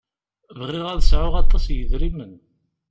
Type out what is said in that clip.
Bɣiɣ ad sɛuɣ aṭas n yedrimen.